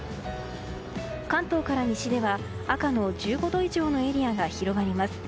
関東から西では赤の１５度以上のエリアが広がります。